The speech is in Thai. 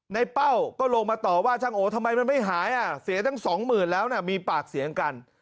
เป้าก็ลงมาต่อว่าช่างโอทำไมมันไม่หายเสียตั้งสองหมื่นแล้วนะมีปากเสียงกัน